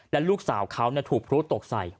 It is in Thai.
และลูกสาวเขาถูกพลุตกใส่